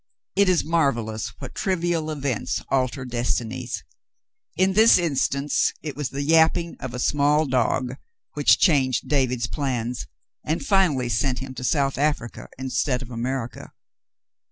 It is marvellous what trivial events alter destinies. In this instance it was the yapping of a small dog which changed David's plans, and finally sent him to South Africa instead of America.